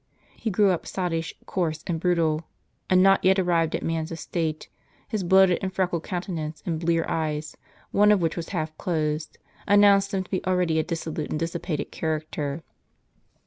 He grew up sottish, coarse, and brutal ; and not yet arrived at man's ^ estate, his bloated and freckled countenance and blear eyes, one of whicli was half closed, announced him to be already a dissolute and dissipated character.